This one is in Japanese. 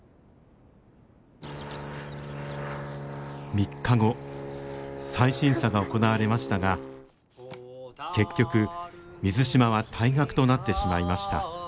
３日後再審査が行われましたが結局水島は退学となってしまいました。